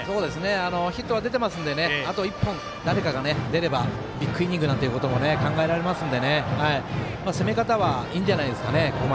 ヒットは出てますんであと１本誰かが出ればビッグイニングなんてことも考えられますので攻め方はいいんじゃないですかね